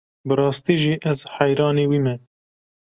Bi rastî jî ez heyranê wî me.